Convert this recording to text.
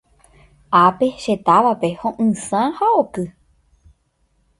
Ápe che távape ho'ysã ha oky.